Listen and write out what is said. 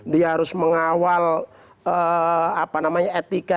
dia harus mengawal etika